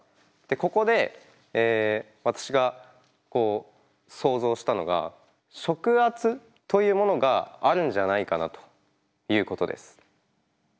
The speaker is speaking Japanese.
ここで私が想像したのが食圧というものがあるんじゃないかなということです。